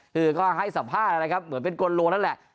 คือก็ให้สัมภาษณ์นะครับเหมือนเป็นกลโลนั่นแหละ